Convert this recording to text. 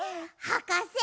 はかせ！